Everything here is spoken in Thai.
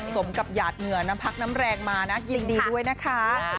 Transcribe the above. สมกับหยาดเหงื่อน้ำพักน้ำแรงมานะยินดีด้วยนะคะ